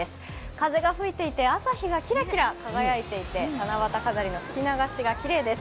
風が吹いていて、朝日がキラキラ輝いていて七夕飾りの吹き流しがきれいです。